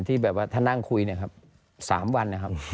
ที่แบบว่าถ้านั่งคุย๓วัน